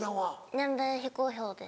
年齢非公表です。